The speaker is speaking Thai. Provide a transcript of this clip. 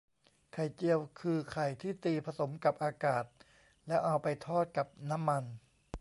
ไข่เจียว คือไข่ที่ตีผสมกับอากาศ แล้วเอาไปทอดกับน้ำมัน